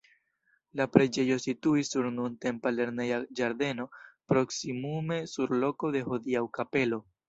La preĝejo situis sur nuntempa lerneja ĝardeno, proksimume sur loko de hodiaŭa kapelo.